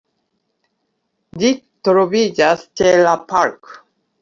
Ĝi troviĝas ĉe la “Park”.